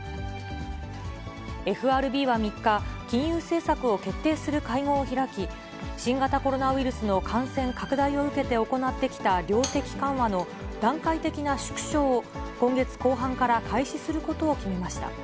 ＦＲＢは３日、金融政策を決定する会合を開き、新型コロナウイルスの感染拡大を受けて行ってきた量的緩和の段階的な縮小を、今月後半から開始することを決めました。